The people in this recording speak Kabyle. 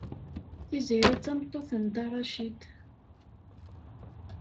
Tiziri d tameṭṭut n Dda Racid.